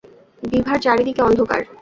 বিভার চারিদিকে অন্ধকার।